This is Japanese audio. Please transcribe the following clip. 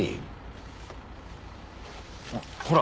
あっほら！